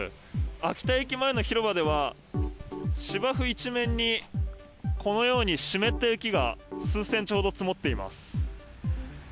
秋田駅前の広場では、芝生一面に、このように湿った雪が数センチほど積もっています。